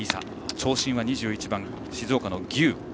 長身は２１番、静岡の牛。